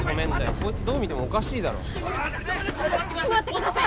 こいつどう見てもおかしいだろしまってください